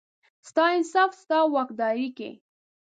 ستا انصاف، ستا واکدارۍ کې،